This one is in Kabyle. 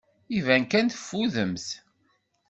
Iban kan teffudemt.